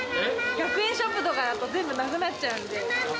１００円ショップとかだと、全部なくなっちゃうんで。